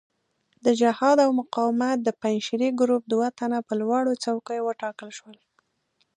د جهاد او مقاومت د پنجشیري ګروپ دوه تنه په لوړو څوکیو وټاکل شول.